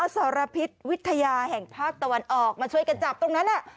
สารพิษวิทยาแห่งภาคตะวันออกมาช่วยกันจับตรงนั้น